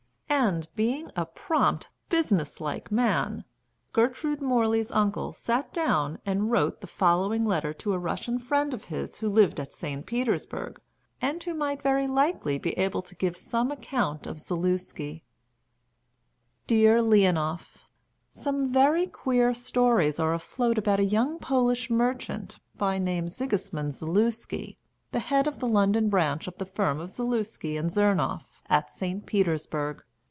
And, being a prompt, business like man, Gertrude Morley's uncle sat down and wrote the following letter to a Russian friend of his who lived at St. Petersburg, and who might very likely be able to give some account of Zaluski: Dear Leonoff, Some very queer stories are afloat about a young Polish merchant, by name Sigismund Zaluski, the head of the London branch of the firm of Zaluski and Zernoff, at St. Petersburg.